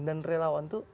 dan relawan itu